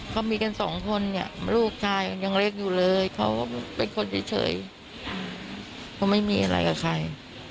เขามีกันสองคนเนี่ยลูกชายยังเล็กอยู่เลยเขาเป็นคนเฉยเขาไม่มีอะไรกับใคร